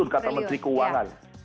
kata menteri keuangan